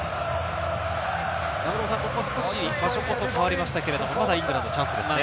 少し場所こそ変わりましたが、まだイングランド、チャンスですね。